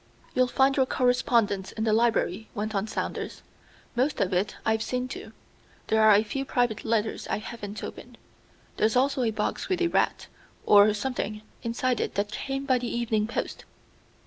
"You'll find your correspondence in the library," went on Saunders. "Most of it I've seen to. There are a few private letters I haven't opened. There's also a box with a rat, or something, inside it that came by the evening post.